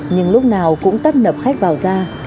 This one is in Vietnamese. nhưng lúc nào cũng tắt nập khách vào ra